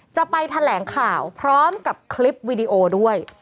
จะไปแถลงข่าวพร้อมกับคลิปวีดีโอด้วย